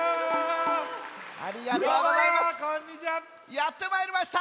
やってまいりました